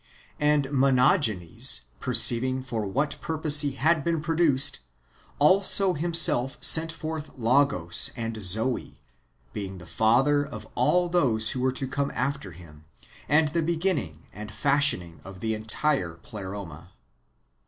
And Monogenes, perceiving for what purpose he had been produced, also himself sent forth Logos and Zoe, being the father of all those who were to come after him, and the beginning and fashioning of the entire Pleroma.